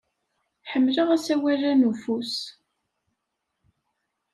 Ḥemmleɣ asawal-a n ufus.